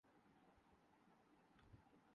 بھری معلوم ہوتی تھی ۔